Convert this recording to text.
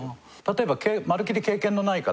例えば。